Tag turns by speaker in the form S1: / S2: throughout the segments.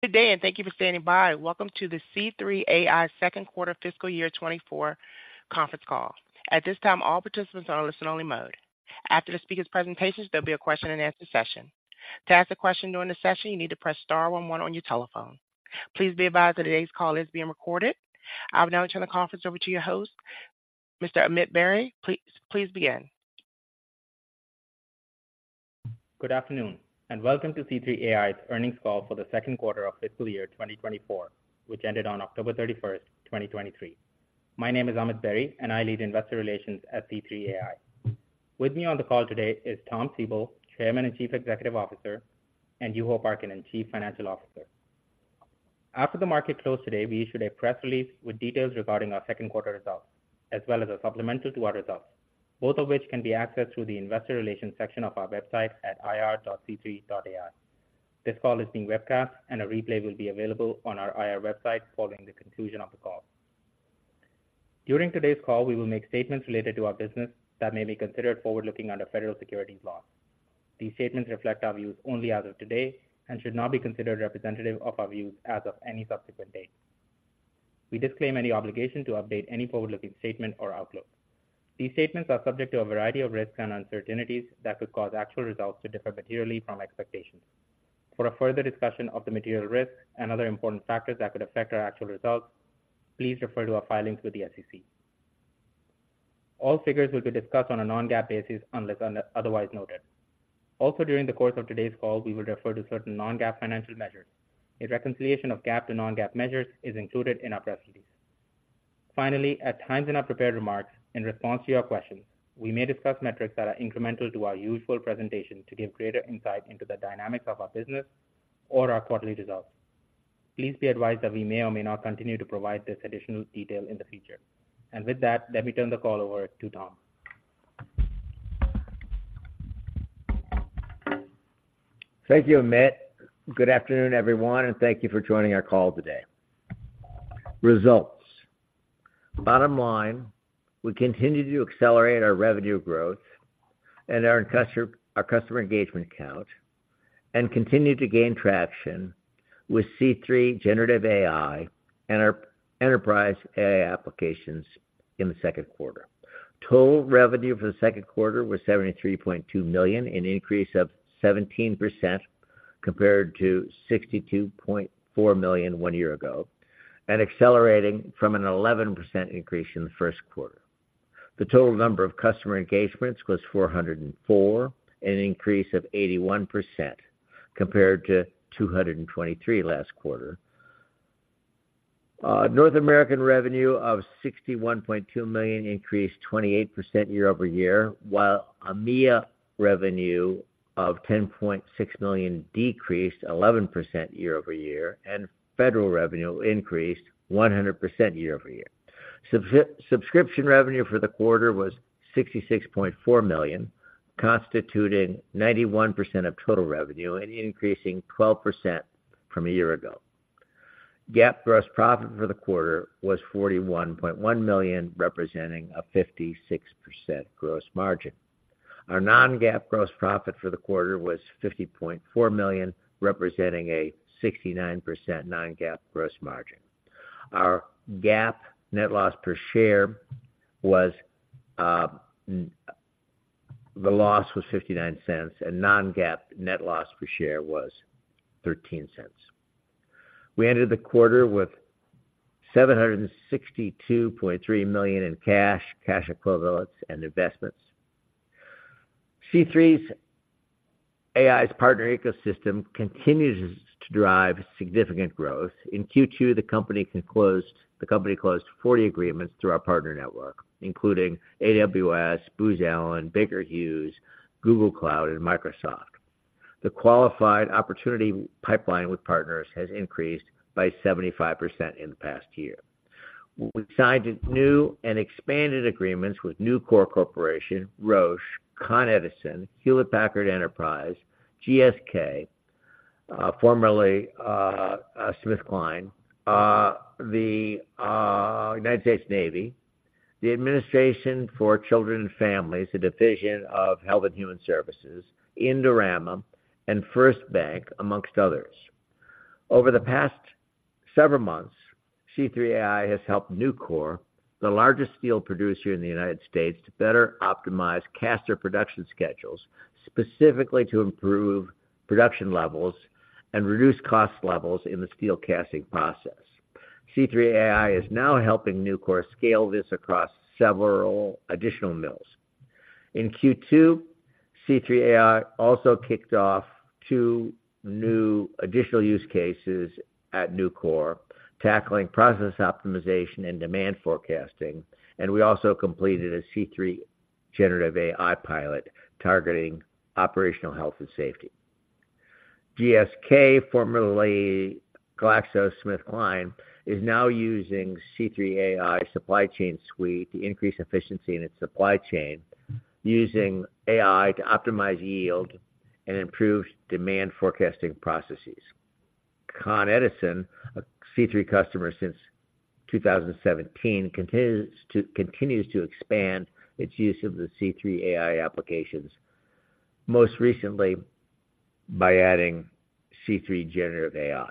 S1: Good day, and thank you for standing by. Welcome to the C3 AI second quarter fiscal year 2024 conference call. At this time, all participants are on listen-only mode. After the speaker's presentations, there'll be a question and answer session. To ask a question during the session, you need to press star one one on your telephone. Please be advised that today's call is being recorded. I'll now turn the conference over to your host, Mr. Amit Berry. Please begin.
S2: Good afternoon, and welcome to C3 AI's earnings call for the second quarter of fiscal year 2024, which ended on October 31, 2023. My name is Amit Berry, and I lead Investor Relations at C3 AI. With me on the call today is Tom Siebel, Chairman and Chief Executive Officer, and Juho Parkkinen, Chief Financial Officer. After the market closed today, we issued a press release with details regarding our second quarter results, as well as a supplemental to our results, both of which can be accessed through the investor relations section of our website at ir.c3.ai. This call is being webcast, and a replay will be available on our IR website following the conclusion of the call. During today's call, we will make statements related to our business that may be considered forward-looking under federal securities laws. These statements reflect our views only as of today and should not be considered representative of our views as of any subsequent date. We disclaim any obligation to update any forward-looking statement or outlook. These statements are subject to a variety of risks and uncertainties that could cause actual results to differ materially from expectations. For a further discussion of the material risks and other important factors that could affect our actual results, please refer to our filings with the SEC. All figures will be discussed on a non-GAAP basis unless otherwise noted. Also, during the course of today's call, we will refer to certain non-GAAP financial measures. A reconciliation of GAAP to non-GAAP measures is included in our press release. Finally, at times in our prepared remarks, in response to your questions, we may discuss metrics that are incremental to our usual presentation to give greater insight into the dynamics of our business or our quarterly results. Please be advised that we may or may not continue to provide this additional detail in the future. With that, let me turn the call over to Tom.
S3: Thank you, Amit. Good afternoon, everyone, and thank you for joining our call today. Results. Bottom line, we continue to accelerate our revenue growth and our customer, our customer engagement count, and continue to gain traction with C3 Generative AI and our enterprise AI applications in the second quarter. Total revenue for the second quarter was $73,200,000, an increase of 17% compared to $62,400,000 one year ago, and accelerating from an 11% increase in the first quarter. The total number of customer engagements was 404, an increase of 81% compared to 223 last quarter. North American revenue of $61,200,000increased 28% year-over-year, while EMEA revenue of $10,600,000 decreased 11% year-over-year, and federal revenue increased 100% year-over-year. Subscription revenue for the quarter was $66,400,000, constituting 91% of total revenue and increasing 12% from a year ago. GAAP gross profit for the quarter was $41,100,000, representing a 56% gross margin. Our non-GAAP gross profit for the quarter was $50,400,000, representing a 69% non-GAAP gross margin. Our GAAP net loss per share was the loss was $0.59, and non-GAAP net loss per share was $0.13. We ended the quarter with $762,300,000 in cash, cash equivalents, and investments. C3 AI's partner ecosystem continues to drive significant growth. In Q2, the company closed 40 agreements through our partner network, including AWS, Booz Allen, Baker Hughes, Google Cloud, and Microsoft. The qualified opportunity pipeline with partners has increased by 75% in the past year. We signed a new and expanded agreements with Nucor Corporation, Roche, Con Edison, Hewlett Packard Enterprise, GSK, formerly, SmithKline, the United States Navy, the Administration for Children and Families, a division of Health and Human Services, Indorama and First Bank, amongst others. Over the past several months, C3 AI has helped Nucor, the largest steel producer in the United States, to better optimize caster production schedules, specifically to improve production levels and reduce cost levels in the steel casting process. C3 AI is now helping Nucor scale this across several additional mills. In Q2, C3 AI also kicked off two new additional use cases at Nucor, tackling process optimization and demand forecasting, and we also completed a C3 Generative AI pilot targeting operational health and safety. GSK, formerly GlaxoSmithKline, is now using C3 AI Supply Chain Suite to increase efficiency in its supply chain, using AI to optimize yield and improve demand forecasting processes. Con Edison, a C3 AI customer since 2017, continues to expand its use of the C3 AI applications, most recently by adding C3 Generative AI.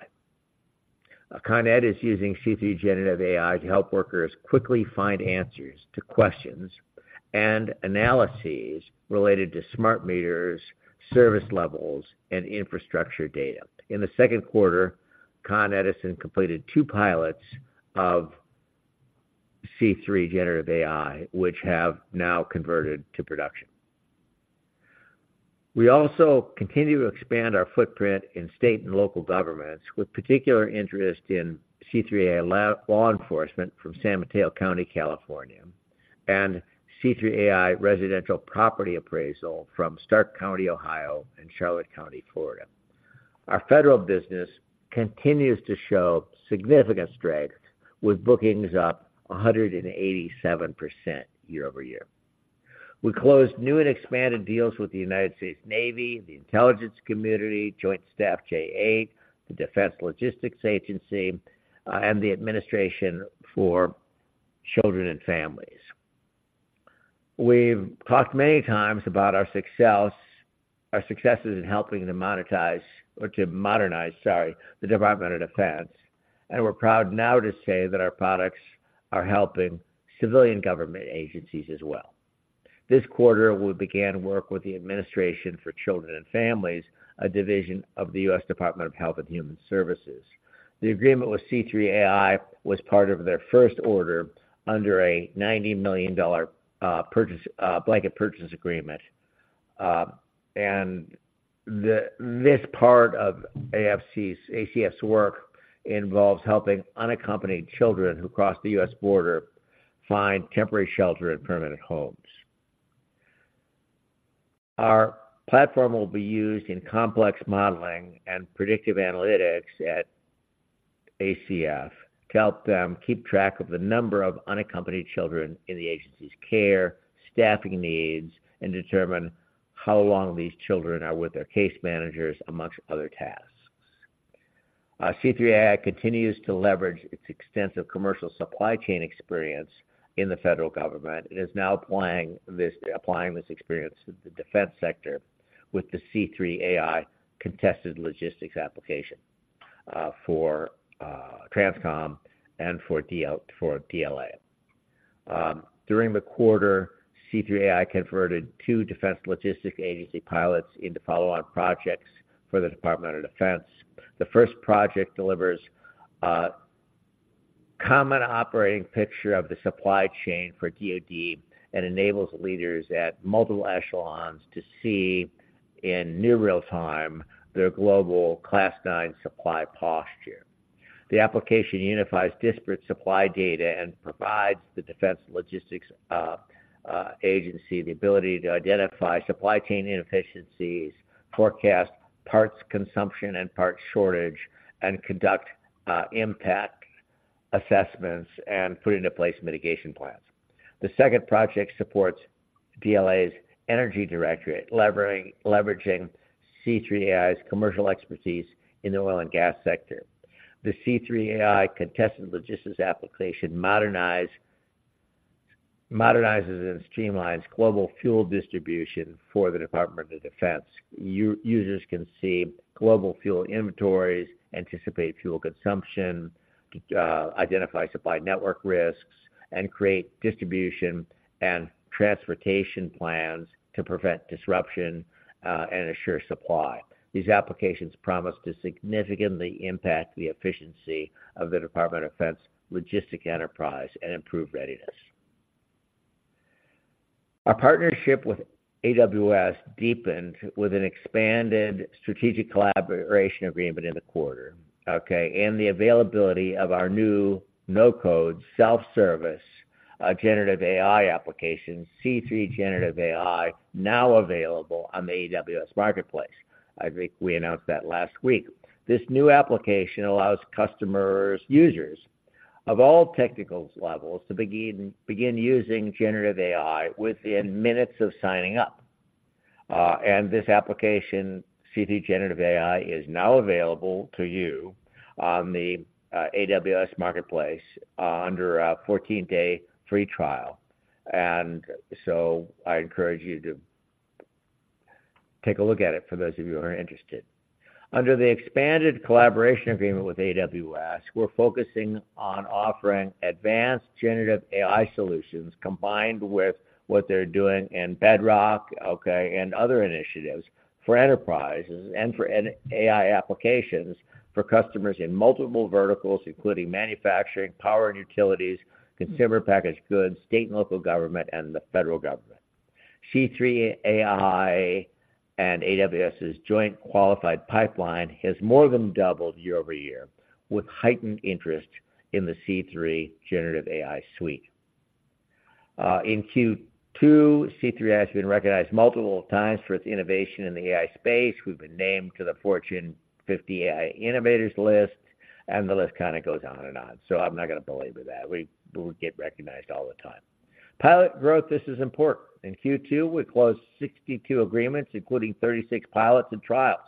S3: Con Ed is using C3 Generative AI to help workers quickly find answers to questions and analyses related to smart meters, service levels, and infrastructure data. In the second quarter, Con Edison completed two pilots of C3 Generative AI, which have now converted to production. We also continue to expand our footprint in state and local governments, with particular interest in C3 AI Law Enforcement from San Mateo County, California, and C3 AI Residential Property Appraisal from Stark County, Ohio, and Charlotte County, Florida. Our federal business continues to show significant strength, with bookings up 187% year-over-year. We closed new and expanded deals with the U.S. Navy, the Intelligence Community, Joint Staff J8, the Defense Logistics Agency, and the Administration for Children and Families. We've talked many times about our successes in helping to monetize or to modernize, sorry, the Department of Defense, and we're proud now to say that our products are helping civilian government agencies as well. This quarter, we began work with the Administration for Children and Families, a division of the U.S. Department of Health and Human Services. The agreement with C3 AI was part of their first order under a $90,000,000 blanket purchase agreement. And this part of ACF's work involves helping unaccompanied children who cross the U.S. border find temporary shelter and permanent homes. Our platform will be used in complex modeling and predictive analytics at ACF to help them keep track of the number of unaccompanied children in the agency's care, staffing needs, and determine how long these children are with their case managers, among other tasks. C3 AI continues to leverage its extensive commercial supply chain experience in the federal government and is now applying this experience to the defense sector with the C3 AI Contested Logistics application, for TRANSCOM and for DLA. During the quarter, C3 AI converted two Defense Logistics Agency pilots into follow-on projects for the Department of Defense. The first project delivers a common operating picture of the supply chain for DoD and enables leaders at multiple echelons to see, in near real time, their global Class IX supply posture. The application unifies disparate supply data and provides the Defense Logistics Agency the ability to identify supply chain inefficiencies, forecast parts consumption and parts shortage, and conduct impact assessments and put into place mitigation plans. The second project supports DLA's Energy Directorate, leveraging C3 AI's commercial expertise in the oil and gas sector. The C3 AI Contested Logistics application modernizes and streamlines global fuel distribution for the Department of Defense. Users can see global fuel inventories, anticipate fuel consumption, identify supply network risks, and create distribution and transportation plans to prevent disruption and ensure supply. These applications promise to significantly impact the efficiency of the Department of Defense logistic enterprise and improve readiness. Our partnership with AWS deepened with an expanded strategic collaboration agreement in the quarter, okay, and the availability of our new no-code, self-service, generative AI application, C3 Generative AI, now available on the AWS Marketplace. I think we announced that last week. This new application allows customers, users of all technical levels to begin using generative AI within minutes of signing up. And this application, C3 Generative AI, is now available to you on the AWS Marketplace, under a 14-day free trial. And so I encourage you to take a look at it for those of you who are interested. Under the expanded collaboration agreement with AWS, we're focusing on offering advanced generative AI solutions, combined with what they're doing in Bedrock, okay, and other initiatives for enterprises and for an AI applications for customers in multiple verticals, including manufacturing, power and utilities, consumer packaged goods, state and local government, and the federal government. C3 AI and AWS's joint qualified pipeline has more than doubled year-over-year, with heightened interest in the C3 Generative AI suite. In Q2, C3 AI has been recognized multiple times for its innovation in the AI space. We've been named to the Fortune 50 AI Innovators list, and the list kinda goes on and on, so I'm not going to belabor that. We, we get recognized all the time. Pilot growth, this is important. In Q2, we closed 62 agreements, including 36 pilots and trials....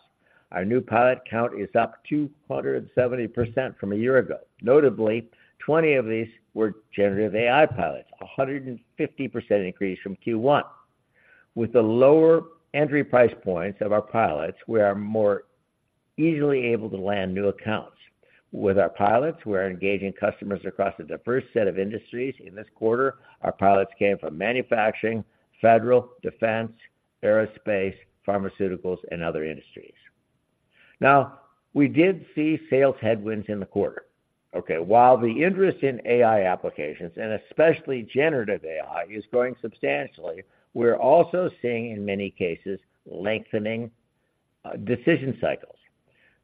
S3: Our new pilot count is up 270% from a year ago. Notably, 20 of these were generative AI pilots, a 150% increase from Q1. With the lower entry price points of our pilots, we are more easily able to land new accounts. With our pilots, we are engaging customers across a diverse set of industries. In this quarter, our pilots came from manufacturing, federal, defense, aerospace, pharmaceuticals, and other industries. Now, we did see sales headwinds in the quarter, okay? While the interest in AI applications, and especially generative AI, is growing substantially, we're also seeing, in many cases, lengthening decision cycles.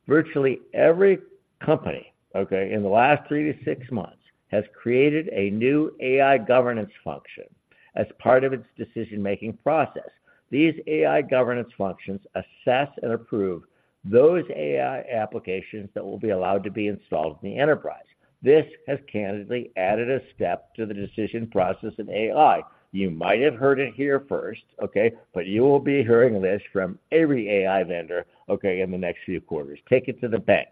S3: Virtually every company, okay, in the last 3-6 months, has created a new AI governance function as part of its decision-making process. These AI governance functions assess and approve those AI applications that will be allowed to be installed in the enterprise. This has candidly added a step to the decision process in AI. You might have heard it here first, okay? But you will be hearing this from every AI vendor, okay, in the next few quarters. Take it to the bank.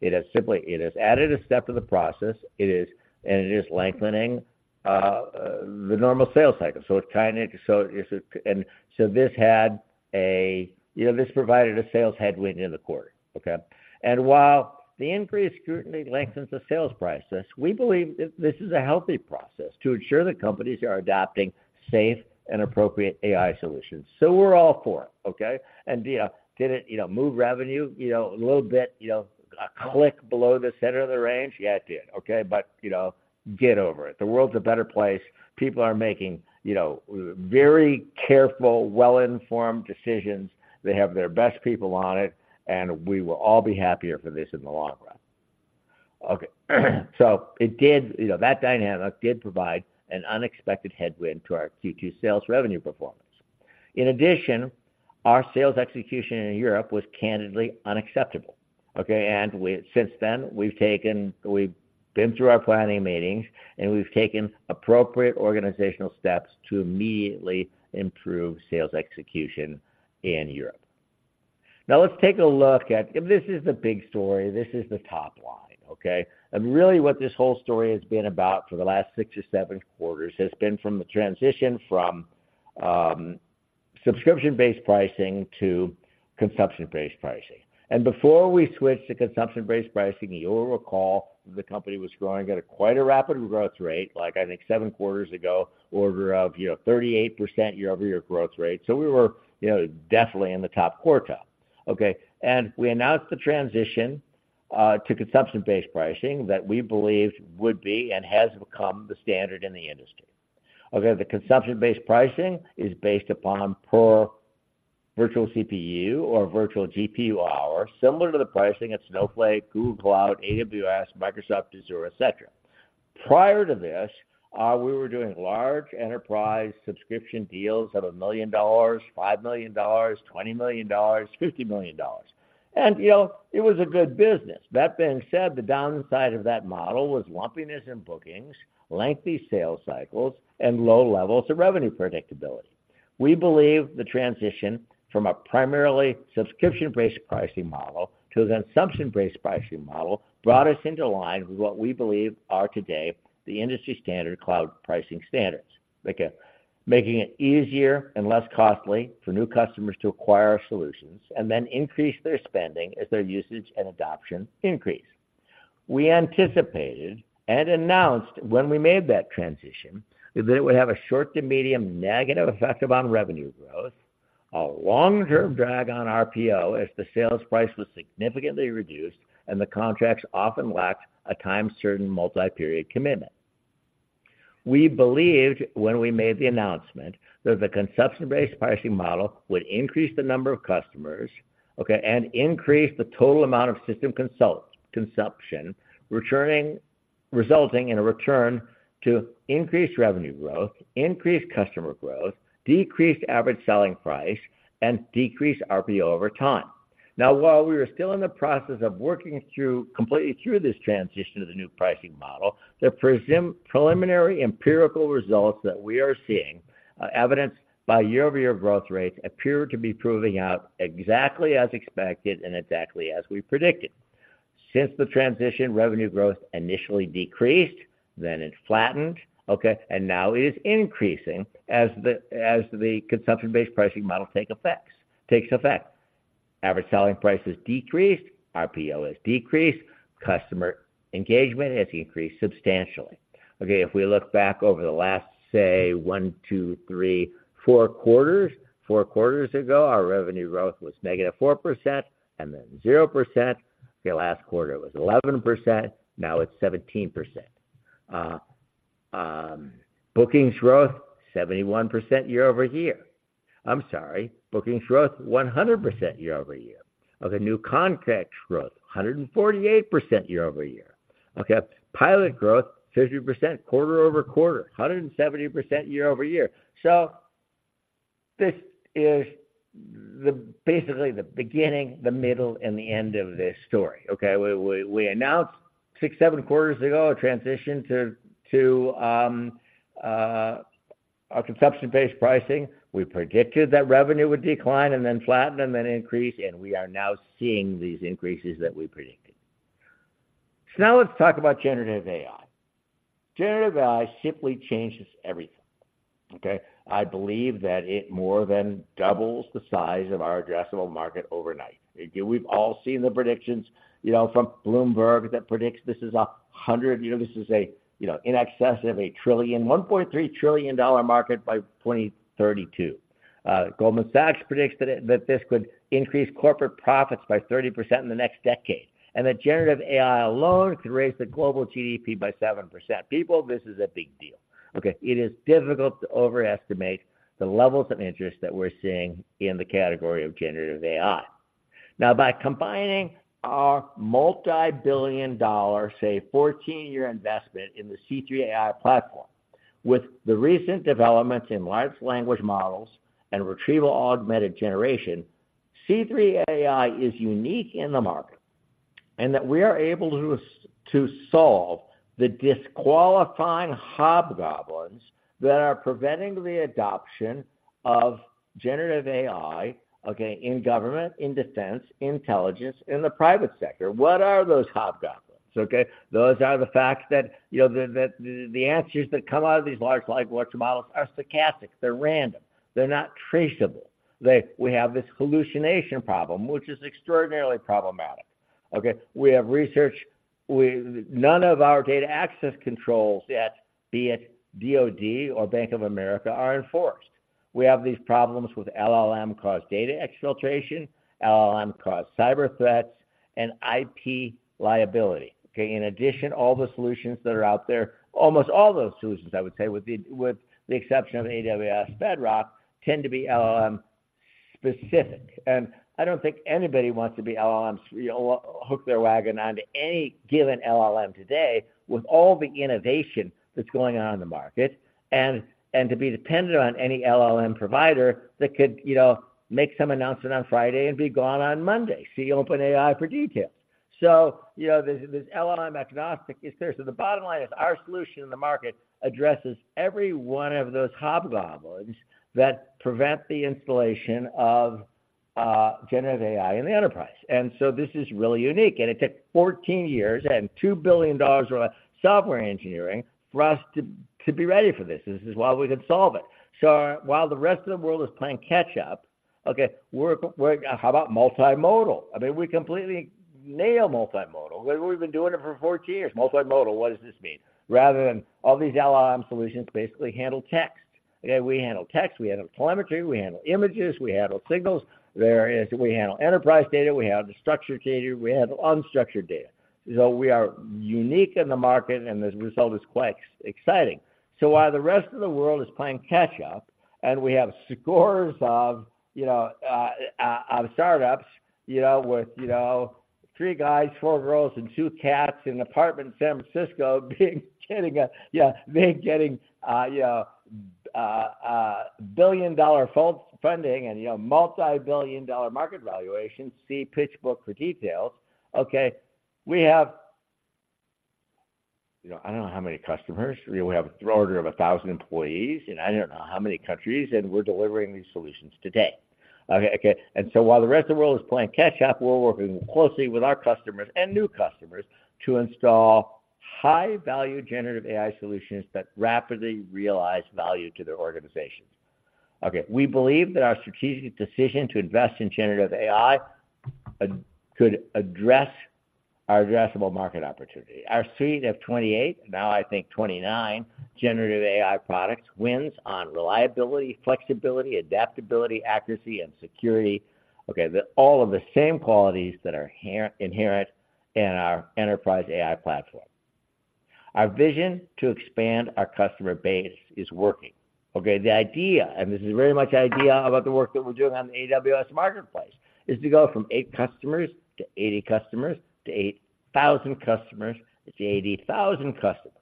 S3: It has simply added a step to the process. It is lengthening the normal sales cycle. So it's kinda so, it's. And so this had a, you know, this provided a sales headwind in the quarter. Okay? And while the increased scrutiny lengthens the sales process, we believe this is a healthy process to ensure that companies are adopting safe and appropriate AI solutions. So we're all for it, okay? And, you know, did it, you know, move revenue, you know, a little bit, you know, a click below the center of the range? Yeah, it did. Okay, but, you know, get over it. The world's a better place. People are making, you know, very careful, well-informed decisions. They have their best people on it, and we will all be happier for this in the long run. Okay. So it did, you know, that dynamic did provide an unexpected headwind to our Q2 sales revenue performance. In addition, our sales execution in Europe was candidly unacceptable, okay? And since then, we've taken, we've been through our planning meetings, and we've taken appropriate organizational steps to immediately improve sales execution in Europe. Now, let's take a look at... This is the big story. This is the top line, okay? Really, what this whole story has been about for the last 6 or 7 quarters has been the transition from subscription-based pricing to consumption-based pricing. Before we switched to consumption-based pricing, you'll recall the company was growing at quite a rapid growth rate, like, I think 7 quarters ago, order of, you know, 38% year-over-year growth rate. So we were, you know, definitely in the top quartile. Okay, we announced the transition to consumption-based pricing that we believed would be, and has become, the standard in the industry. Okay, the consumption-based pricing is based upon per virtual CPU or virtual GPU hour, similar to the pricing at Snowflake, Google Cloud, AWS, Microsoft Azure, etc. Prior to this, we were doing large enterprise subscription deals of $1,000,000, $5,000,000, $20,000,000, $50,000,000. You know, it was a good business. That being said, the downside of that model was lumpiness in bookings, lengthy sales cycles, and low levels of revenue predictability. We believe the transition from a primarily subscription-based pricing model to a consumption-based pricing model brought us into line with what we believe are today the industry-standard cloud pricing standards. Okay, making it easier and less costly for new customers to acquire our solutions, and then increase their spending as their usage and adoption increase. We anticipated and announced when we made that transition, that it would have a short to medium negative effect upon revenue growth, a long-term drag on RPO as the sales price was significantly reduced, and the contracts often lacked a time-certain, multi-period commitment. We believed, when we made the announcement, that the consumption-based pricing model would increase the number of customers, okay, and increase the total amount of system consumption, resulting in a return to increased revenue growth, increased customer growth, decreased average selling price, and decreased RPO over time. Now, while we are still in the process of working completely through this transition to the new pricing model, the preliminary empirical results that we are seeing, evidenced by year-over-year growth rates, appear to be proving out exactly as expected and exactly as we predicted. Since the transition, revenue growth initially decreased, then it flattened, okay, and now it is increasing as the consumption-based pricing model takes effect. Average selling price has decreased, RPO has decreased, customer engagement has increased substantially. Okay, if we look back over the last, say, 1, 2, 3, 4 quarters, 4 quarters ago, our revenue growth was negative 4% and then 0%. The last quarter was 11%, now it's 17%. Bookings growth, 71% year-over-year. I'm sorry, bookings growth, 100% year-over-year. Okay, new contracts growth, 148% year-over-year. Okay, pilot growth, 50% quarter-over-quarter, 170% year-over-year. So this is basically the beginning, the middle, and the end of this story, okay? We announced 6, 7 quarters ago a transition to our consumption-based pricing, we predicted that revenue would decline and then flatten and then increase, and we are now seeing these increases that we predicted. So now let's talk about Generative AI. Generative AI simply changes everything, okay? I believe that it more than doubles the size of our addressable market overnight. We've all seen the predictions, you know, from Bloomberg that predicts this is a hundred, you know, this is a, you know, in excess of a trillion, $1.3 trillion market by 2032. Goldman Sachs predicts that this could increase corporate profits by 30% in the next decade, and that generative AI alone could raise the global GDP by 7%. People, this is a big deal, okay? It is difficult to overestimate the levels of interest that we're seeing in the category of generative AI. Now, by combining our multi-billion-dollar, say, 14-year investment in the C3 AI platform, with the recent developments in large language models and retrieval augmented generation, C3 AI is unique in the market, and that we are able to solve the disqualifying hobgoblins that are preventing the adoption of generative AI, okay, in government, in defense, intelligence, in the private sector. What are those hobgoblins? Okay, those are the facts that, you know, the answers that come out of these large language models are stochastic, they're random, they're not traceable. We have this hallucination problem, which is extraordinarily problematic, okay? None of our data access controls at, be it DoD or Bank of America, are enforced. We have these problems with LLM-caused data exfiltration, LLM-caused cyber threats, and IP liability, okay? In addition, all the solutions that are out there, almost all those solutions, I would say, with the, with the exception of AWS Bedrock, tend to be LLM specific. And I don't think anybody wants to be LLM, you know, hook their wagon onto any given LLM today with all the innovation that's going on in the market, and, and to be dependent on any LLM provider that could, you know, make some announcement on Friday and be gone on Monday. See OpenAI for details. So, you know, this, this LLM agnostic is there. So the bottom line is, our solution in the market addresses every one of those hobgoblins that prevent the installation of generative AI in the enterprise. And so this is really unique, and it took 14 years and $2,000,000,000 worth of software engineering for us to, to be ready for this. This is why we could solve it. So while the rest of the world is playing catch up, okay, we're... How about multimodal? I mean, we completely nail multimodal. We've been doing it for 14 years. Multimodal, what does this mean? Rather than all these LLM solutions basically handle text. Okay, we handle text, we handle telemetry, we handle images, we handle signals. There is. We handle enterprise data, we handle the structured data, we handle unstructured data. So we are unique in the market, and this result is quite exciting. So while the rest of the world is playing catch up, and we have scores of, you know, of startups, you know, with, you know, three guys, four girls, and two cats in an apartment in San Francisco, being, getting a, yeah, they're getting, you know, a billion-dollar fold funding and, you know, multi-billion-dollar market valuations. See PitchBook for details. Okay, we have... You know, I don't know how many customers. We have order of 1,000 employees, and I don't know how many countries, and we're delivering these solutions today. Okay, okay, and so while the rest of the world is playing catch up, we're working closely with our customers and new customers to install high-value generative AI solutions that rapidly realize value to their organizations. Okay, we believe that our strategic decision to invest in generative AI could address our addressable market opportunity. Our suite of 28, now, I think 29, generative AI products, wins on reliability, flexibility, adaptability, accuracy, and security. Okay, all of the same qualities that are here, inherent in our enterprise AI platform. Our vision to expand our customer base is working. Okay, the idea, and this is very much the idea about the work that we're doing on the AWS Marketplace, is to go from 8 customers to 80 customers, to 8,000 customers, to 80,000 customers,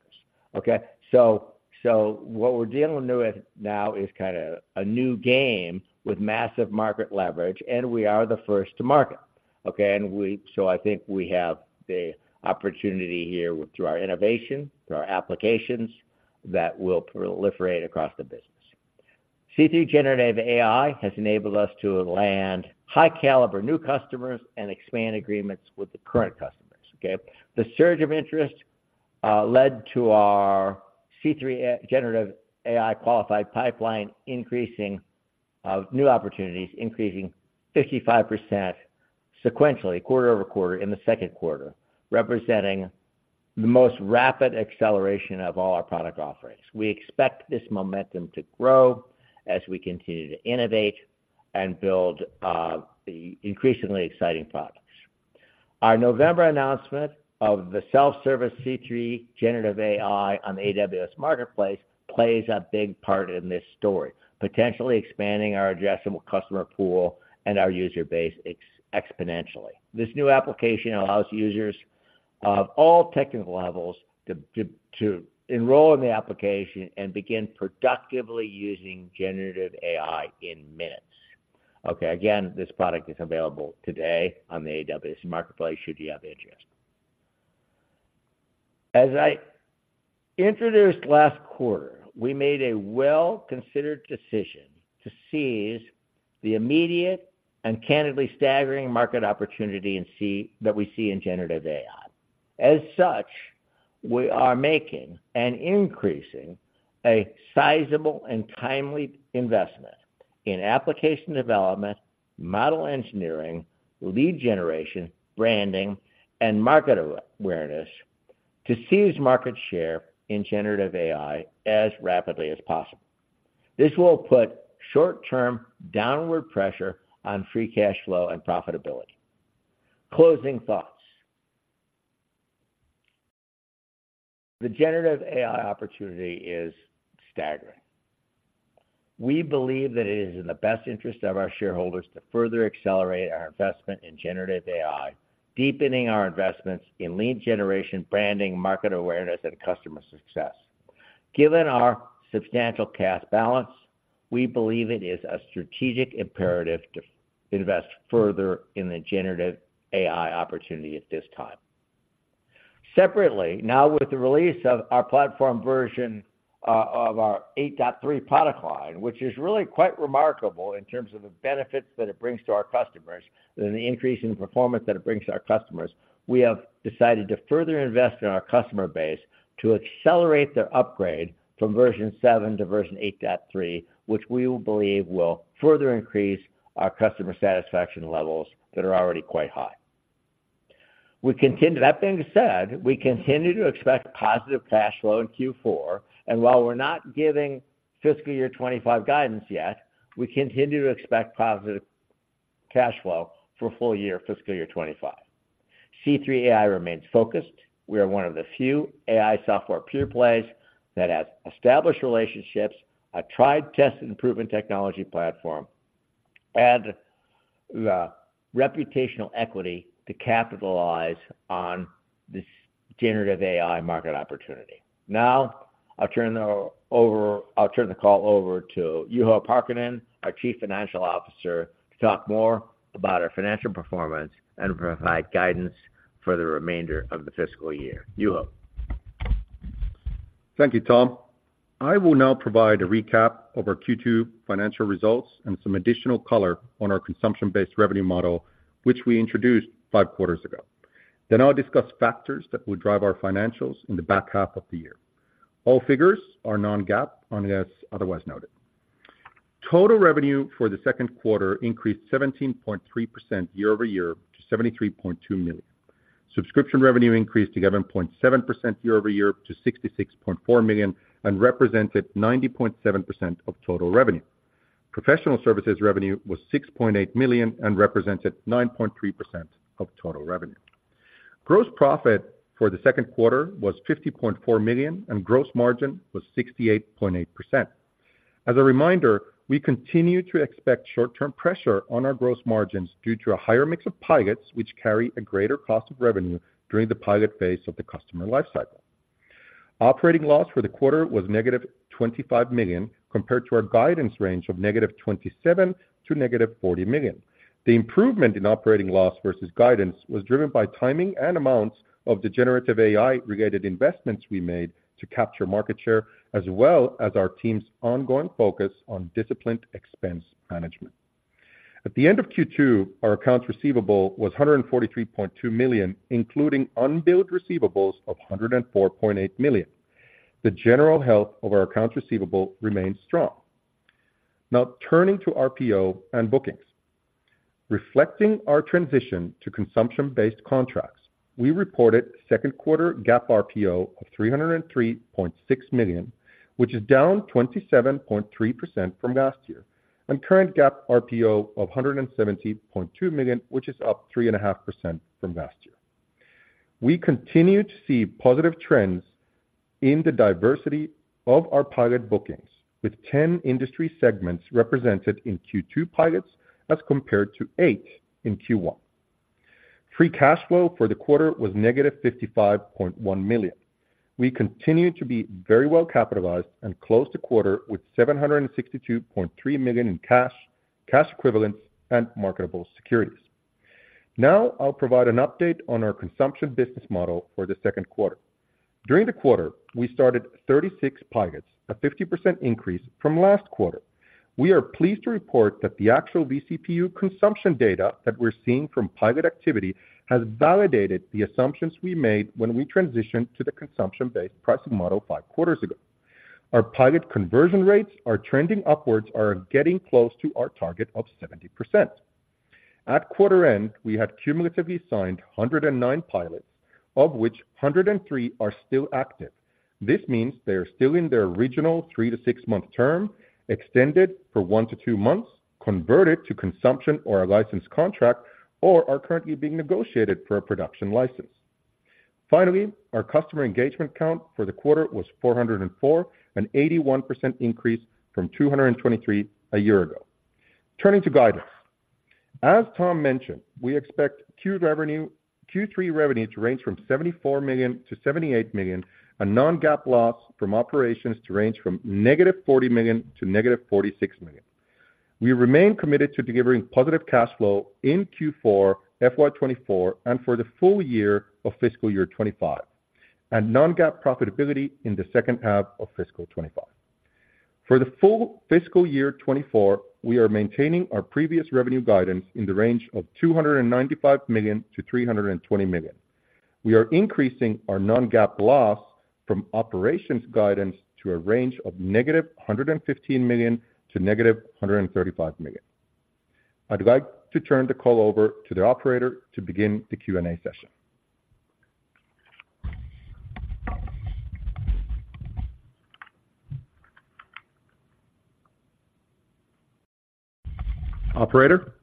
S3: okay? So, what we're dealing with now is kinda a new game with massive market leverage, and we are the first to market, okay? And so I think we have the opportunity here through our innovation, through our applications, that will proliferate across the business. C3 Generative AI has enabled us to land high caliber new customers and expand agreements with the current customers, okay? The surge of interest led to our C3 Generative AI qualified pipeline increasing new opportunities increasing 55% sequentially quarter-over-quarter in the second quarter, representing the most rapid acceleration of all our product offerings. We expect this momentum to grow as we continue to innovate and build the increasingly exciting products. Our November announcement of the self-service C3 Generative AI on the AWS Marketplace plays a big part in this story, potentially expanding our addressable customer pool and our user base exponentially. This new application allows users of all technical levels to enroll in the application and begin productively using generative AI in minutes. Okay, again, this product is available today on the AWS Marketplace should you have interest. As I introduced last quarter, we made a well-considered decision to seize the immediate and candidly staggering market opportunity and that we see in generative AI. As such, we are making and increasing a sizable and timely investment in application development, model engineering, lead generation, branding, and market awareness to seize market share in generative AI as rapidly as possible. This will put short-term downward pressure on free cash flow and profitability. Closing thoughts. The generative AI opportunity is staggering. We believe that it is in the best interest of our shareholders to further accelerate our investment in generative AI, deepening our investments in lead generation, branding, market awareness, and customer success. Given our substantial cash balance, we believe it is a strategic imperative to invest further in the generative AI opportunity at this time. Separately, now, with the release of our platform version of our 8.3 product line, which is really quite remarkable in terms of the benefits that it brings to our customers and the increase in performance that it brings to our customers, we have decided to further invest in our customer base to accelerate their upgrade from version 7 to version 8.3, which we will believe will further increase our customer satisfaction levels that are already quite high. We continue. That being said, we continue to expect positive cash flow in Q4, and while we're not giving fiscal year 2025 guidance yet, we continue to expect positive cash flow for full year, fiscal year 2025. C3 AI remains focused. We are one of the few AI software pure plays that has established relationships, a tried, tested, and proven technology platform, and the reputational equity to capitalize on this generative AI market opportunity. Now, I'll turn the call over to Juho Parkkinen, our Chief Financial Officer, to talk more about our financial performance and provide guidance for the remainder of the fiscal year. Juho?
S4: Thank you, Tom. I will now provide a recap of our Q2 financial results and some additional color on our consumption-based revenue model, which we introduced five quarters ago. Then I'll discuss factors that will drive our financials in the back half of the year. All figures are non-GAAP, unless otherwise noted. Total revenue for the second quarter increased 17.3% year-over-year to $73,200,000. Subscription revenue increased to 7.7% year-over-year to $66,400,000 and represented 90.7% of total revenue. Professional services revenue was $6,800,000 and represented 9.3% of total revenue. Gross profit for the second quarter was $50,400,000, and gross margin was 68.8%. As a reminder, we continue to expect short-term pressure on our gross margins due to a higher mix of pilots, which carry a greater cost of revenue during the pilot phase of the customer lifecycle. Operating loss for the quarter was -$25,000,000, compared to our guidance range of -$27,000,000 to -$40,000,000. The improvement in operating loss versus guidance was driven by timing and amounts of the generative AI-related investments we made to capture market share, as well as our team's ongoing focus on disciplined expense management. At the end of Q2, our accounts receivable was $143,200,000, including unbilled receivables of $104,800,000. The general health of our accounts receivable remains strong. Now, turning to RPO and bookings. Reflecting our transition to consumption-based contracts, we reported second quarter GAAP RPO of $303,600,000, which is down 27.3% from last year, and current GAAP RPO of $117,200,000, which is up 3.5% from last year. We continue to see positive trends in the diversity of our pilot bookings, with 10 industry segments represented in Q2 pilots as compared to 8 in Q1. Free cash flow for the quarter was negative $55,100,000. We continue to be very well capitalized and closed the quarter with $762,300,000 in cash, cash equivalents, and marketable securities. Now, I'll provide an update on our consumption business model for the second quarter. During the quarter, we started 36 pilots, a 50% increase from last quarter. We are pleased to report that the actual vCPU consumption data that we're seeing from pilot activity has validated the assumptions we made when we transitioned to the consumption-based pricing model 5 quarters ago. Our pilot conversion rates are trending upwards and are getting close to our target of 70%. At quarter end, we had cumulatively signed 109 pilots, of which 103 are still active. This means they are still in their original 3- to 6-month term, extended for 1-2 months, converted to consumption or a licensed contract, or are currently being negotiated for a production license. Finally, our customer engagement count for the quarter was 404, an 81% increase from 223 a year ago. Turning to guidance. As Tom mentioned, we expect Q revenue... Q3 revenue to range from $74,000,000-$78,000,000, a Non-GAAP loss from operations to range from -$40,000,000 to -$46,000,000.... We remain committed to delivering positive cash flow in Q4, FY 2024, and for the full year of fiscal year 2025, and non-GAAP profitability in the second half of fiscal 2025. For the full fiscal year 2024, we are maintaining our previous revenue guidance in the range of $295,000,000-$320,000,000. We are increasing our non-GAAP loss from operations guidance to a range of -$115,000,000 to -$135,000,000. I'd like to turn the call over to the operator to begin the Q&A session. Operator?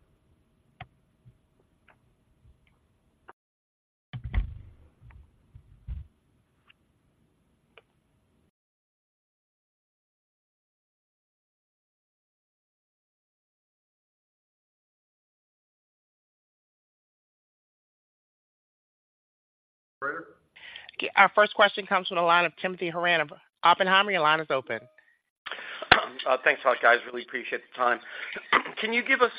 S1: Our first question comes from the line of Timothy Horan of Oppenheimer. Your line is open.
S5: Thanks a lot, guys. Really appreciate the time. Can you give us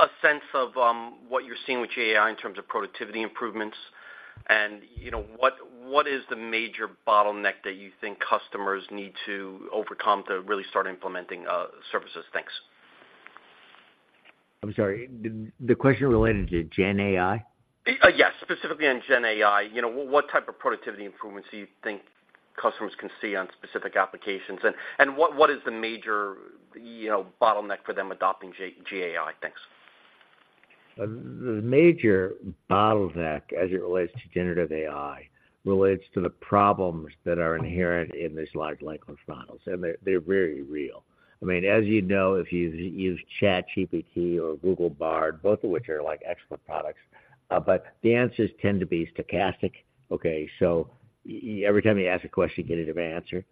S5: a sense of what you're seeing with GAI in terms of productivity improvements? And, you know, what is the major bottleneck that you think customers need to overcome to really start implementing services? Thanks.
S3: I'm sorry, the question related to Gen AI?
S5: Yes, specifically on Gen AI. You know, what type of productivity improvements do you think customers can see on specific applications? And what is the major, you know, bottleneck for them adopting GAI? Thanks.
S3: The major bottleneck, as it relates to Generative AI, relates to the problems that are inherent in these large language models, and they, they're very real. I mean, as you know, if you've used ChatGPT or Google Bard, both of which are like expert products, but the answers tend to be stochastic, okay? So every time you ask a question, you get a different answer.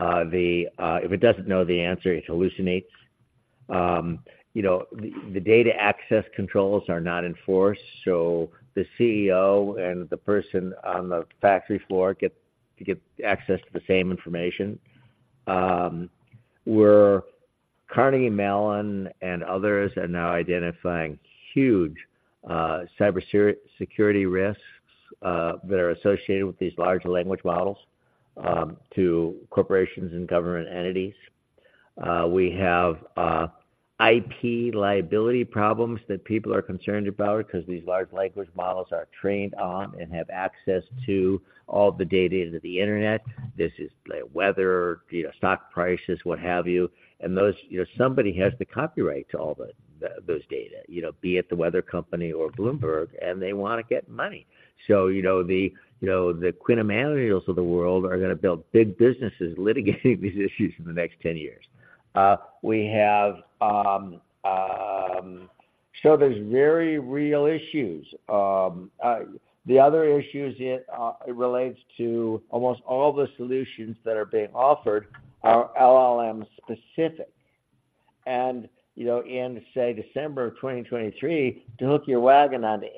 S3: If it doesn't know the answer, it hallucinates. You know, the data access controls are not enforced, so the CEO and the person on the factory floor get access to the same information. Where Carnegie Mellon and others are now identifying huge cybersecurity risks that are associated with these large language models to corporations and government entities. We have IP liability problems that people are concerned about because these large language models are trained on and have access to all the data on the internet. This is the weather, you know, stock prices, what have you, and those- you know, somebody has the copyright to all the, those data, you know, be it the weather company or Bloomberg, and they wanna get money. So, you know, the, you know, the Quinn Emanuels of the world are gonna build big businesses litigating these issues in the next 10 years. So there's very real issues. The other issues it relates to almost all the solutions that are being offered are LLM specific. You know, in, say, December of 2023, to hook your wagon on to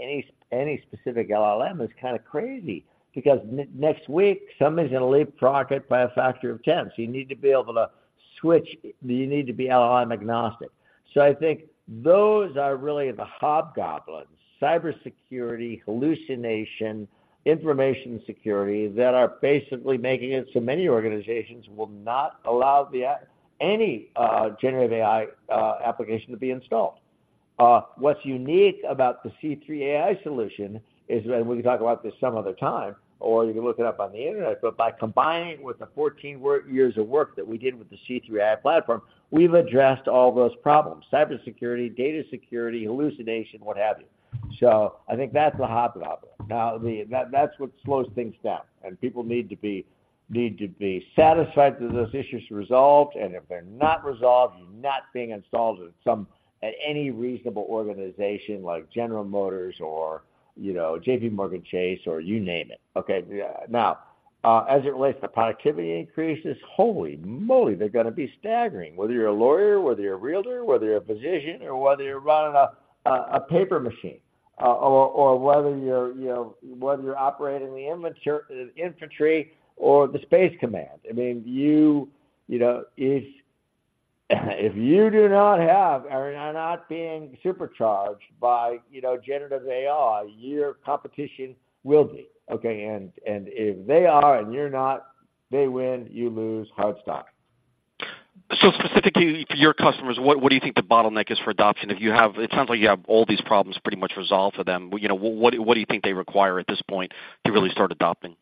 S3: any specific LLM is kind of crazy because next week, somebody's gonna leapfrog it by a factor of 10. So you need to be able to switch. You need to be LLM agnostic. So I think those are really the hobgoblins, cybersecurity, hallucination, information security, that are basically making it so many organizations will not allow any generative AI application to be installed. What's unique about the C3 AI solution is, and we can talk about this some other time, or you can look it up on the internet, but by combining with the 14 work-years of work that we did with the C3 AI platform, we've addressed all those problems: cybersecurity, data security, hallucination, what have you. So I think that's the hobgoblin. Now, that, that's what slows things down, and people need to be, need to be satisfied that those issues are resolved, and if they're not resolved, you're not being installed at any reasonable organization like General Motors or, you know, JPMorgan Chase, or you name it, okay? Now, as it relates to productivity increases, holy moly, they're gonna be staggering. Whether you're a lawyer, whether you're a realtor, whether you're a physician, or whether you're running a, a paper machine, or, or whether you're, you know, whether you're operating the infantry or the space command. I mean, you know, if, if you do not have or are not being supercharged by, you know, generative AI, your competition will be, okay? And, and if they are and you're not, they win, you lose, hard stop.
S5: So specifically for your customers, what, what do you think the bottleneck is for adoption? It sounds like you have all these problems pretty much resolved for them. You know, what, what do you think they require at this point to really start adopting?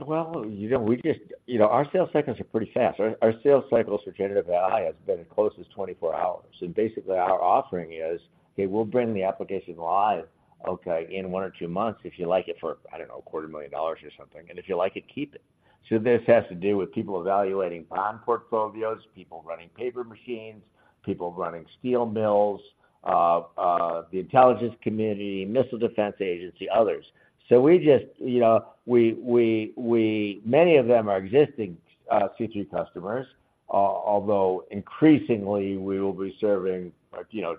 S3: Well, you know, we just, you know, our sales cycles are pretty fast. Our sales cycles for generative AI has been as close as 24 hours. So basically, our offering is, "Okay, we'll bring the application live, okay, in one or two months, if you like it for, I don't know, $250,000 or something, and if you like it, keep it." So this has to do with people evaluating bond portfolios, people running paper machines, people running steel mills, the intelligence community, Missile Defense Agency, others. So we just, you know, we, many of them are existing C3 customers, although increasingly we will be serving, you know.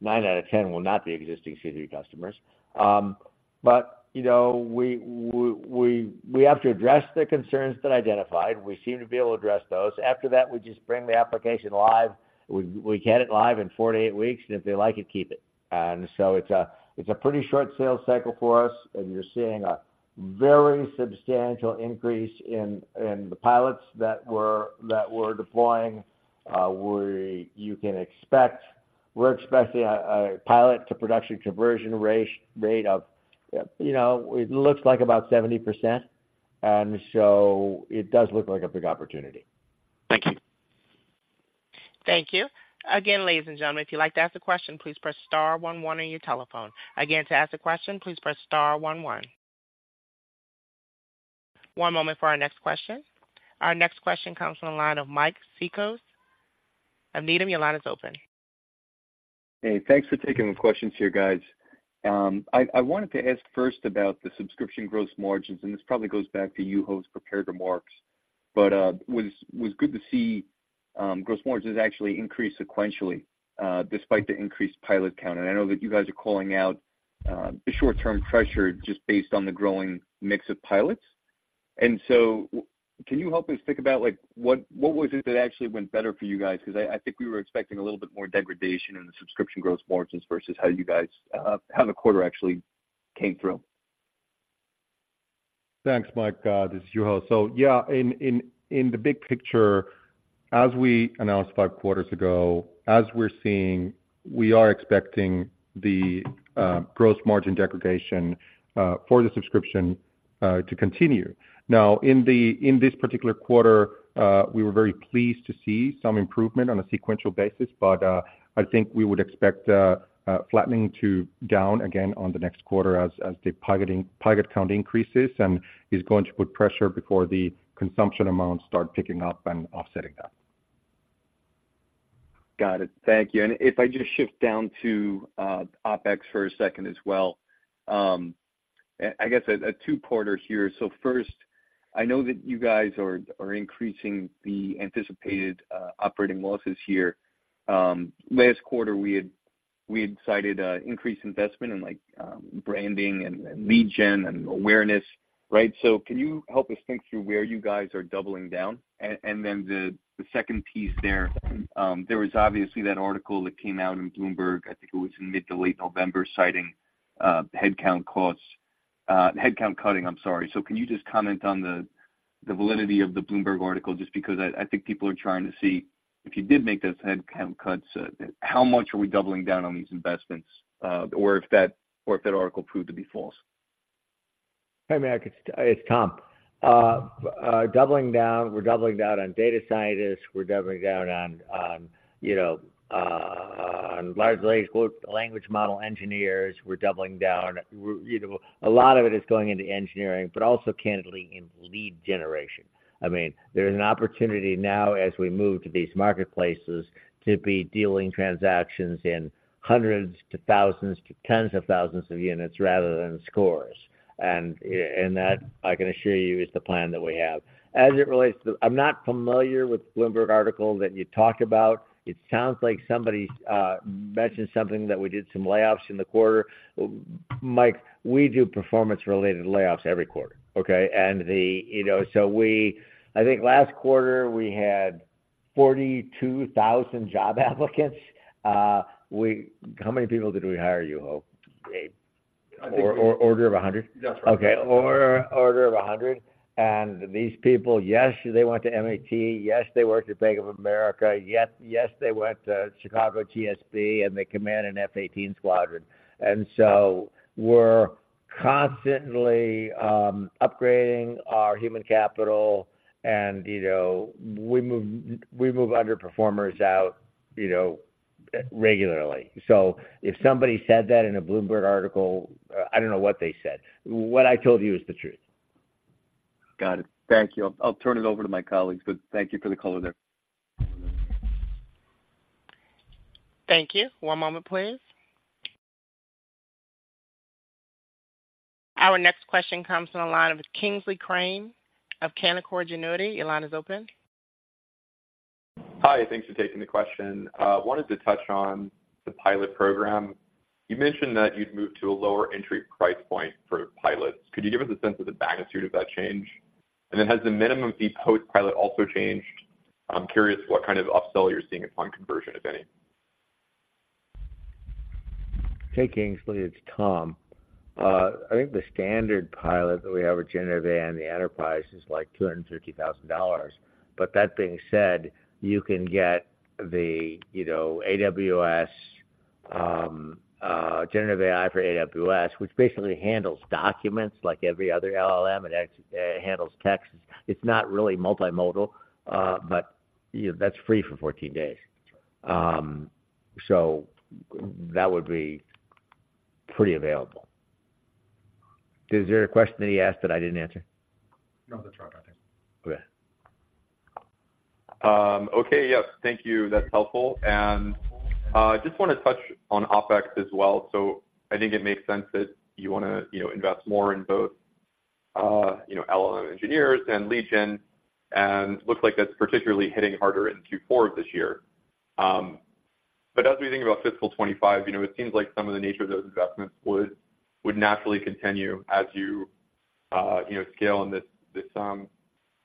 S3: Nine out of ten will not be existing C3 customers. But, you know, we, we have to address the concerns that identified. We seem to be able to address those. After that, we just bring the application live. We get it live in four to eight weeks, and if they like it, keep it. And so it's a pretty short sales cycle for us, and you're seeing a very substantial increase in the pilots that we're deploying. We can expect—we're expecting a pilot to production conversion rate of, you know, it looks like about 70%, and so it does look like a big opportunity.
S5: Thank you.
S1: Thank you. Again, ladies and gentlemen, if you'd like to ask a question, please press star one one on your telephone. Again, to ask a question, please press star one one. One moment for our next question. Our next question comes from the line of Mike Cikos. Needham, your line is open.
S6: Hey, thanks for taking the questions here, guys. I wanted to ask first about the subscription gross margins, and this probably goes back to Juho's prepared remarks, but was good to see gross margins actually increase sequentially despite the increased pilot count. And I know that you guys are calling out the short-term pressure just based on the growing mix of pilots. And so can you help me think about, like, what was it that actually went better for you guys? Because I think we were expecting a little bit more degradation in the subscription gross margins versus how you guys how the quarter actually came through.
S4: Thanks, Mike. This is Juho. So yeah, in the big picture, as we announced five quarters ago, as we're seeing, we are expecting the gross margin degradation for the subscription to continue. Now, in this particular quarter, we were very pleased to see some improvement on a sequential basis, but I think we would expect flattening to down again on the next quarter as the pilot count increases and is going to put pressure before the consumption amounts start picking up and offsetting that.
S6: Got it. Thank you. And if I just shift down to OpEx for a second as well, I guess a two-parter here. So first, I know that you guys are increasing the anticipated operating losses here. Last quarter, we had cited increased investment in, like, branding and lead gen and awareness, right? So can you help us think through where you guys are doubling down? And then the second piece there, there was obviously that article that came out in Bloomberg, I think it was in mid to late November, citing headcount costs, headcount cutting, I'm sorry. So can you just comment on the validity of the Bloomberg article, just because I think people are trying to see if you did make those headcount cuts, how much are we doubling down on these investments, or if that article proved to be false?
S3: Hey, Mike, it's Tom. Doubling down, we're doubling down on data scientists. We're doubling down on, on, you know, on large language model engineers. We're doubling down, you know, a lot of it is going into engineering, but also candidly in lead generation. I mean, there's an opportunity now as we move to these marketplaces to be dealing transactions in hundreds, to thousands, to tens of thousands of units rather than scores. And, and that, I can assure you, is the plan that we have. As it relates to the... I'm not familiar with the Bloomberg article that you talked about. It sounds like somebody mentioned something that we did some layoffs in the quarter. Mike, we do performance-related layoffs every quarter, okay? And the, you know, so we— I think last quarter we had 42,000 job applicants. We, how many people did we hire, Juho? 8. Or, order of 100?
S4: That's right.
S3: Okay, or order of 100. And these people, yes, they went to MIT. Yes, they worked at Bank of America. Yes, yes, they went to Chicago GSB, and they command an F-18 squadron. And so we're constantly upgrading our human capital, and, you know, we move, we move underperformers out, you know, regularly. So if somebody said that in a Bloomberg article, I don't know what they said. What I told you is the truth.
S6: Got it. Thank you. I'll turn it over to my colleagues, but thank you for the call there.
S1: Thank you. One moment, please. Our next question comes from the line of Kingsley Crane of Canaccord Genuity. Your line is open.
S7: Hi, thanks for taking the question. Wanted to touch on the pilot program. You mentioned that you'd move to a lower entry price point for pilots. Could you give us a sense of the magnitude of that change? And then, has the minimum fee post-pilot also changed? I'm curious what kind of upsell you're seeing upon conversion, if any.
S3: Hey, Kingsley, it's Tom. I think the standard pilot that we have with Generative AI and the Enterprise is, like, $250,000. But that being said, you can get the, you know, AWS Generative AI for AWS, which basically handles documents like every other LLM, it handles texts. It's not really multimodal, but, you know, that's free for 14 days. So that would be pretty available. Is there a question that he asked that I didn't answer?
S4: No, that's right, I think.
S3: Okay.
S7: Okay. Yep, thank you. That's helpful. And just want to touch on OpEx as well. So I think it makes sense that you wanna, you know, invest more in LLM engineers and legion, and looks like that's particularly hitting harder in Q4 of this year. But as we think about fiscal 2025, you know, it seems like some of the nature of those investments would naturally continue as you, you know, scale on this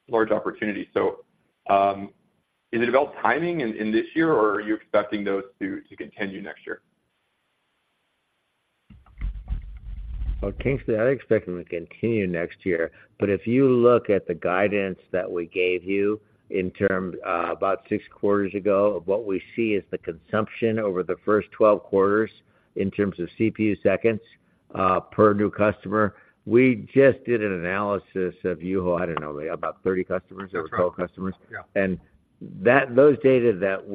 S7: large opportunity. So, is it about timing in this year, or are you expecting those to continue next year?
S3: Well, Kingsley, I expect them to continue next year, but if you look at the guidance that we gave you in terms, about 6 quarters ago, of what we see is the consumption over the first 12 quarters in terms of CPU seconds, per new customer. We just did an analysis of Juho, I don't know, about 30 customers or 12 customers.
S7: Yeah.
S3: And those data that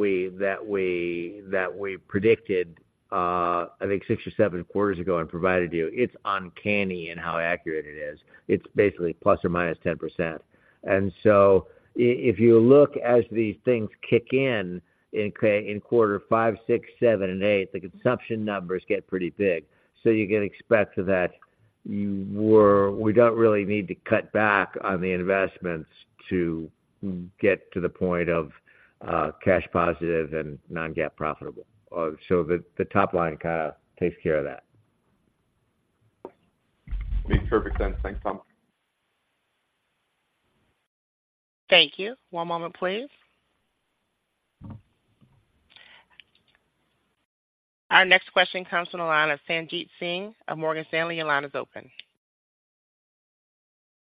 S3: we predicted, I think 6 or 7 quarters ago and provided you, it's uncanny in how accurate it is. It's basically ±10%. And so if you look as these things kick in, in quarter 5, 6, 7, and 8, the consumption numbers get pretty big. So you can expect that we don't really need to cut back on the investments to get to the point of cash positive and non-GAAP profitable. So the top line kind of takes care of that.
S7: Makes perfect sense. Thanks, Tom.
S1: Thank you. One moment, please. Our next question comes from the line of Sanjit Singh of Morgan Stanley. Your line is open.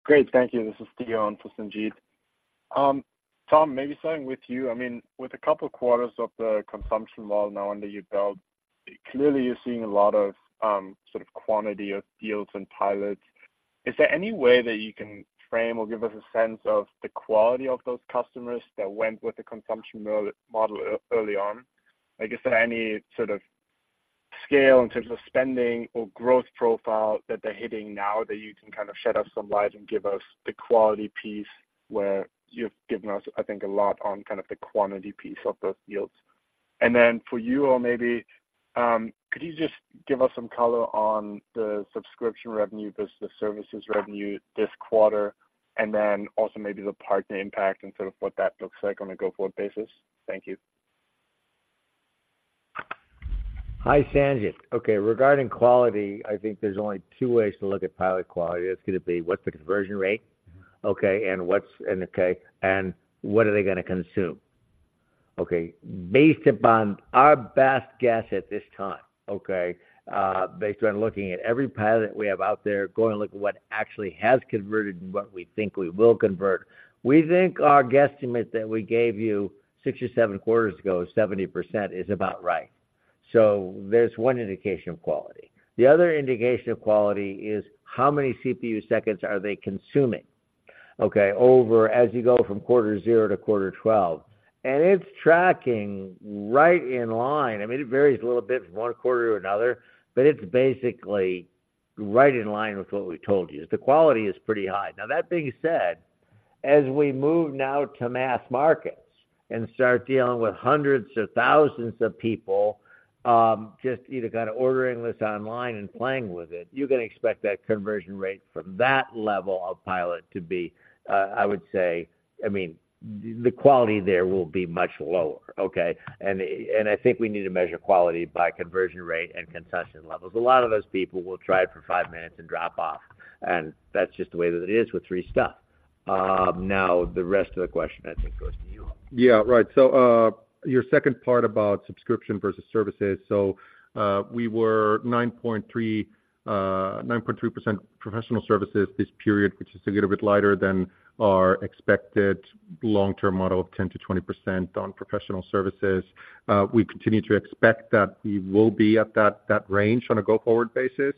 S8: Great. Thank you. This is Theo in for Sanjit. Tom, maybe starting with you. I mean, with a couple of quarters of the consumption model now under your belt, clearly you're seeing a lot of sort of quantity of deals and pilots. Is there any way that you can frame or give us a sense of the quality of those customers that went with the consumption model early on? Like, is there any sort of scale in terms of spending or growth profile that they're hitting now that you can kind of shed us some light and give us the quality piece where you've given us, I think, a lot on kind of the quantity piece of those deals? And then for you, or maybe, could you just give us some color on the subscription revenue versus the services revenue this quarter, and then also maybe the partner impact and sort of what that looks like on a go-forward basis? Thank you.
S3: Hi, Sanjit. Okay, regarding quality, I think there's only 2 ways to look at pilot quality. It's going to be, what's the conversion rate, okay, and what's... And okay, and what are they gonna consume? Okay, based upon our best guess at this time, okay, based on looking at every pilot we have out there, going to look at what actually has converted and what we think we will convert, we think our guesstimate that we gave you 6 or 7 quarters ago, 70%, is about right. So there's one indication of quality. The other indication of quality is how many CPU seconds are they consuming? Okay, over as you go from quarter zero to quarter twelve, and it's tracking right in line. I mean, it varies a little bit from one quarter to another, but it's basically right in line with what we told you. The quality is pretty high. Now, that being said, as we move now to mass markets and start dealing with hundreds of thousands of people, just either kind of ordering this online and playing with it, you can expect that conversion rate from that level of pilot to be, I would say, I mean, the quality there will be much lower, okay? And I think we need to measure quality by conversion rate and concession levels. A lot of those people will try it for five minutes and drop off, and that's just the way that it is with free stuff. Now, the rest of the question, I think, goes to you.
S8: Yeah, right. So, your second part about subscription versus services. So, we were 9.3, 9.3% professional services this period, which is a little bit lighter than our expected long-term model of 10%-20% on professional services. We continue to expect that we will be at that, that range on a go-forward basis.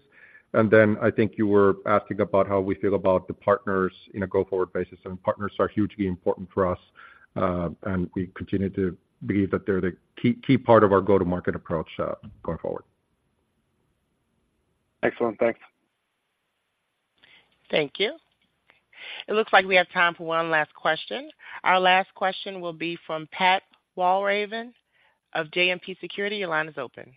S8: And then I think you were asking about how we feel about the partners in a go-forward basis, and partners are hugely important for us, and we continue to believe that they're the key, key part of our go-to-market approach, going forward. Excellent. Thanks.
S1: Thank you. It looks like we have time for one last question. Our last question will be from Pat Walravens of JMP Securities. Your line is open.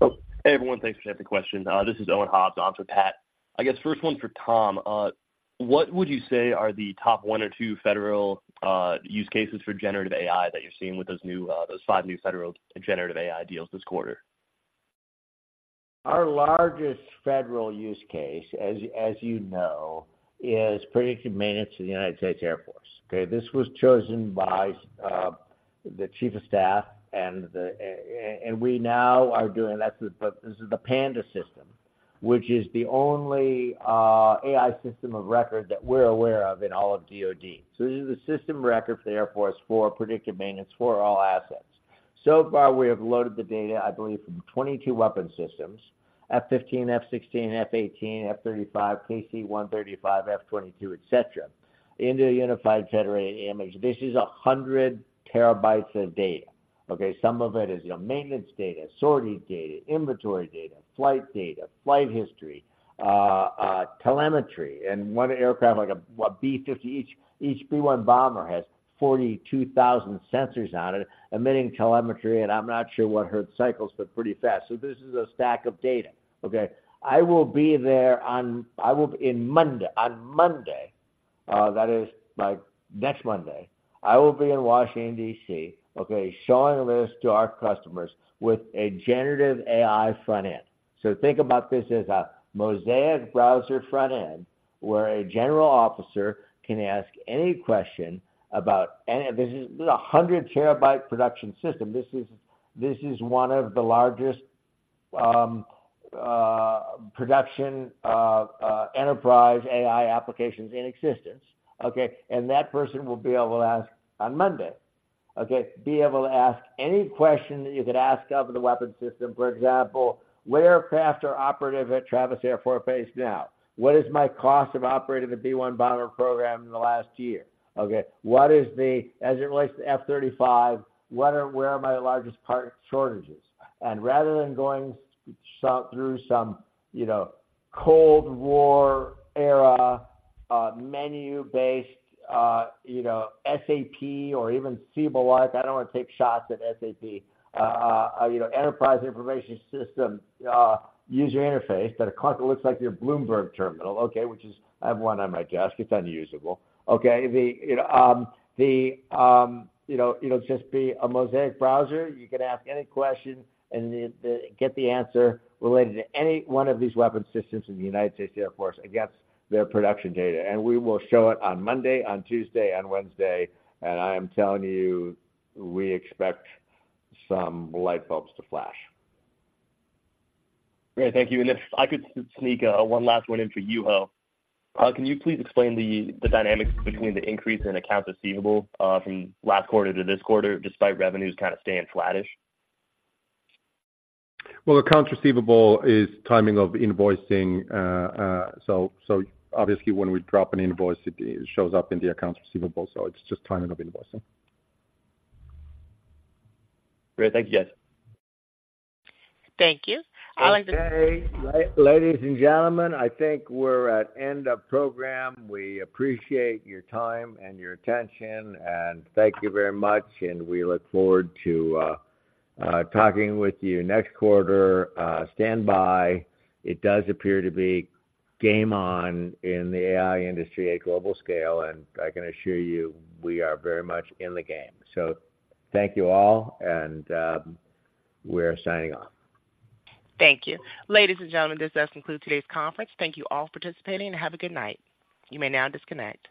S9: Oh, hey, everyone, thanks for taking the question. This is Owen Hobbs on for Pat. I guess first one for Tom. What would you say are the top one or two federal use cases for generative AI that you're seeing with those new, those five new federal generative AI deals this quarter?
S3: Our largest federal use case, as you know, is predictive maintenance to the United States Air Force. Okay, this was chosen by the chief of staff and we now are doing that. But this is the PANDA system, which is the only AI system of record that we're aware of in all of DoD. So this is a system of record for the Air Force for predictive maintenance for all assets. So far, we have loaded the data, I believe, from 22 weapon systems, F-15, F-16, F-18, F-35, KC-135, F-22, et cetera, into a unified federated image. This is 100 TB of data, okay? Some of it is, you know, maintenance data, sortie data, inventory data, flight data, flight history... telemetry and one aircraft, like a B-52, each B-1 bomber has 42,000 sensors on it, emitting telemetry, and I'm not sure what hertz cycles, but pretty fast. So this is a stack of data, okay? I will be there on Monday, that is, like, next Monday, I will be in Washington, D.C., okay, showing this to our customers with a generative AI front end. So think about this as a Mosaic browser front end, where a general officer can ask any question about any... This is a 100 TB production system. This is one of the largest production enterprise AI applications in existence, okay? And that person will be able to ask, on Monday, okay, be able to ask any question that you could ask of the weapon system. For example, what aircraft are operative at Travis Air Force Base now? What is my cost of operating the B-1 bomber program in the last year, okay? What is the, as it relates to F-35, what are, where are my largest part shortages? And rather than going through some, you know, Cold War-era menu-based, you know, SAP or even Siebel-like, I don't want to take shots at SAP, you know, enterprise information system user interface, that it kind of looks like your Bloomberg terminal, okay, which is... I have one on my desk. It's unusable. Okay, you know, it'll just be a Mosaic browser. You can ask any question and get the answer related to any one of these weapon systems in the United States Air Force against their production data. We will show it on Monday, on Tuesday, on Wednesday, and I am telling you, we expect some light bulbs to flash.
S9: Great. Thank you. If I could sneak one last one in for Juho. Can you please explain the dynamics between the increase in accounts receivable from last quarter to this quarter, despite revenues kind of staying flattish?
S4: Well, accounts receivable is timing of invoicing. Obviously, when we drop an invoice, it shows up in the accounts receivable, so it's just timing of invoicing.
S9: Great. Thank you, guys.
S1: Thank you. I'd like to-
S3: Okay. Ladies and gentlemen, I think we're at end of program. We appreciate your time and your attention, and thank you very much, and we look forward to talking with you next quarter. Stand by. It does appear to be game on in the AI industry at global scale, and I can assure you, we are very much in the game. So thank you all, and we're signing off.
S1: Thank you. Ladies and gentlemen, this does conclude today's conference. Thank you all for participating, and have a good night. You may now disconnect.